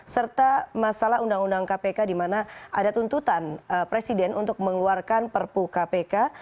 serta masalah undang undang kpk di mana ada tuntutan presiden untuk mengeluarkan perpu kpk